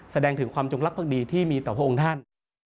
แสดงถึงความจงรักภักดีที่มีต่อพระองค์ท่าน